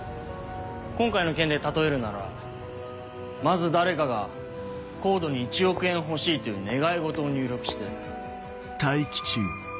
今回の件で例えるならまず誰かがＣＯＤＥに「１億円ほしい」という願いごとを入力して。